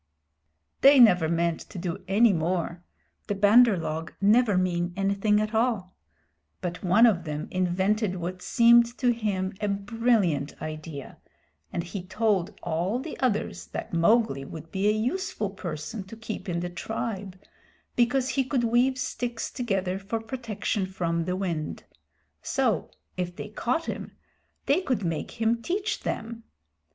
They never meant to do any more the Bandar log never mean anything at all; but one of them invented what seemed to him a brilliant idea, and he told all the others that Mowgli would be a useful person to keep in the tribe, because he could weave sticks together for protection from the wind; so, if they caught him, they could make him teach them.